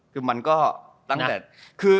คือมันก็ตั้งแต่คือ